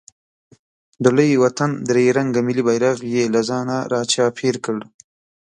د لوی وطن درې رنګه ملي بیرغ یې له ځانه راچاپېر کړ.